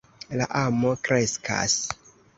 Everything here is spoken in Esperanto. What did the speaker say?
La amo kreskas.